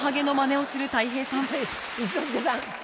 はい一之輔さん。